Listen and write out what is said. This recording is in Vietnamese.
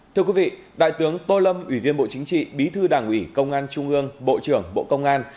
thưa quý vị đại tướng tô lâm ủy viên bộ chính trị bí thư đảng ủy công an trung ương bộ trưởng bộ công an